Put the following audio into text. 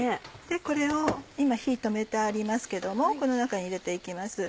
これを今火止めてありますけどこの中に入れて行きます。